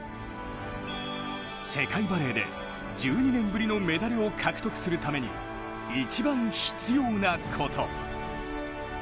世界バレーで１２年ぶりのメダルを獲得するために一番必要なこと。